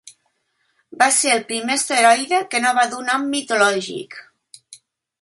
Va ser el primer asteroide que no va dur nom mitològic.